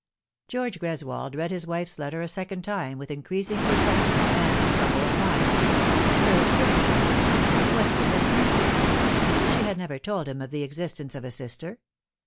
GEORQE GRESWOLD read his wife's letter a second time with increasing perplexity and trouble of mind. Her sister ! What could this mean ? She had never told him of the existence of a sister.